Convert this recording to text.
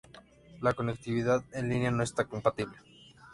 La conectividad en línea no está compatible.